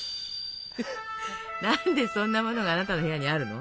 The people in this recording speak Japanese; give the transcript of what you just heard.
何でそんなものがあなたの部屋にあるの？